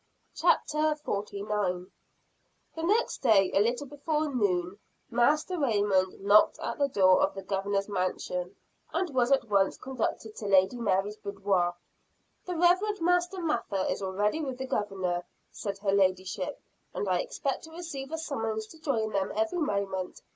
CHAPTER XLIX. Master Raymond Confounds Master Cotton Mather. The next day, a little before noon, Master Raymond knocked at the door of the Governor's Mansion, and was at once conducted to Lady Mary's boudoir. "The Reverend Master Mather is already with the Governor," said her ladyship, "and I expect to receive a summons to join them every moment."